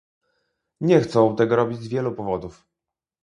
Nie chcą tego robić z wielu powodów